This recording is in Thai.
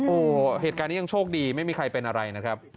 โอ้โหเหตุการณ์นี้ยังโชคดีไม่มีใครเป็นอะไรนะครับ